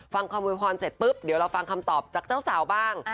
ฟังคำโวยพรเสร็จปุ๊บเดี๋ยวเราฟังคำตอบจากเจ้าสาวบ้าง